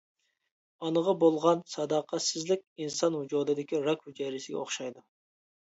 ئانىغا بۇلغان ساداقەتسىزلىك ئىنسان ۋۇجۇدىدىكى راك ھۈجەيرىسىگە ئوخشايدۇ.